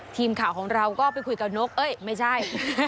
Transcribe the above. ทีมข่าวของเราก็ไปคุยกับนกเอ้ยไม่ใช่